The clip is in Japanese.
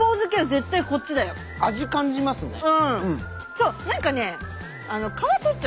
そう何かね